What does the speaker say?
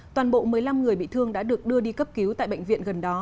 toàn bộ một mươi năm người bị thương đã được đưa đi cấp cứu tại bệnh viện gần đó